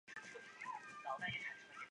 是大井町线最少上下车人次的车站。